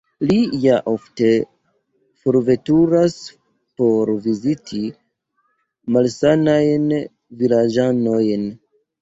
Li ja ofte forveturas por viziti malsanajn vilaĝanojn.